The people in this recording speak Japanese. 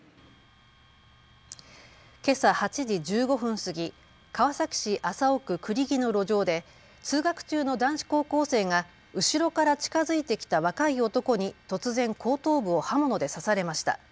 けさ８時１５分過ぎ、川崎市麻生区栗木の路上で通学中の男子高校生が後ろから近づいてきた若い男に突然後頭部を刃物で刺されました。